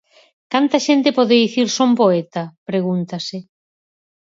Canta xente pode dicir 'son poeta'?, pregúntase.